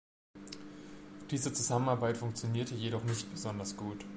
Diese Zusammenarbeit funktionierte jedoch nicht besonders gut.